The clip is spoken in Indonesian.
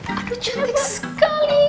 aduh cantik sekali